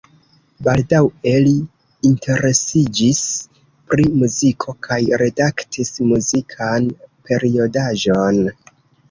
Baldaŭe li interesiĝis pri muziko kaj redaktis muzikan periodaĵon.